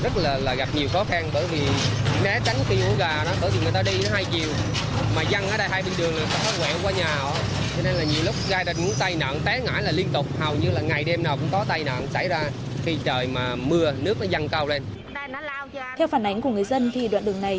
theo phản ánh của người dân thì đoạn đường này